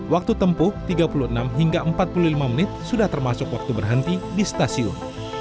waktu tempuh tiga puluh enam hingga empat puluh lima menit sudah termasuk waktu berhenti di stasiun